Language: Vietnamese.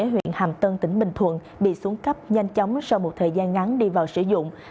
huyện hàm tân tỉnh bình thuận bị xuống cấp nhanh chóng sau một thời gian ngắn đi vào sử dụng